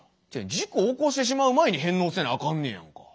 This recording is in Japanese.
事故起こしてしまう前に返納せなあかんねやんか。